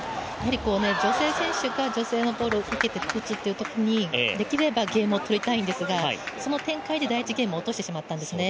女性選手が女性ボールを追いかけて打つときにできればゲームを取りたいんですが、その展開で第１ゲーム落としてしまったんですね。